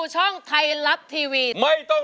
ร้องได้ให้ล้าน